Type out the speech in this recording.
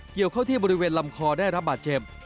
เกี่ยวเข้าที่บริเวณลำคอได้รับบาดเจ็บ